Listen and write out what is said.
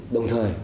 đồng thời nó cũng